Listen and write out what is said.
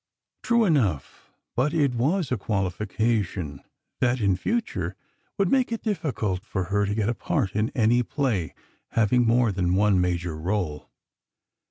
True enough, but it was a qualification that in future would make it difficult for her to get a part in any play having more than one major rôle.